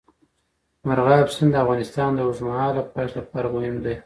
مورغاب سیند د افغانستان د اوږدمهاله پایښت لپاره مهم دی.